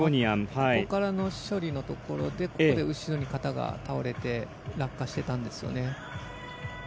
ここからの処理のところで後ろに肩が倒れて落下してたんですよね。